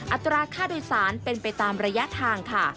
อัตราค่าโดยสารเป็นไปตามระยะทางค่ะ